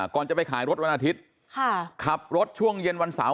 ก่อนจะไปขายรถวันอาทิตย์ขับรถช่วงเย็นวันเสาร์